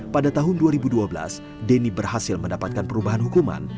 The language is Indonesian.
pada tahun dua ribu dua belas deni berhasil mendapatkan perubahan hukuman